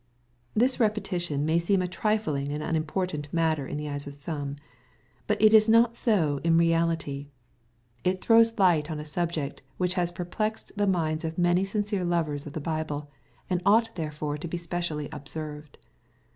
This repetition may seem a trifling and unimportant matter in the eyes of some. But it is not so in reality MATTHEW, CHAP. XVI. 189 It throws light on a subject, which has perplexed the minds of many sincere lovers of the Bible, and ought therefore to be specially observed.